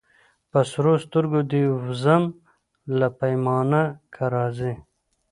په سرو سترګو دي وزم له پیمانه که راځې